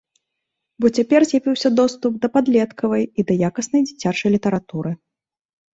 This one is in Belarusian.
Бо цяпер з'явіўся доступ да падлеткавай і да якаснай дзіцячай літаратуры.